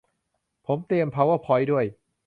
ผมเตรียม พาวเวอร์พอยท์ ด้วย